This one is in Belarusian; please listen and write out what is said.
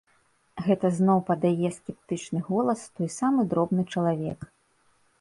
Гэта зноў падае скептычны голас той самы дробны чалавек.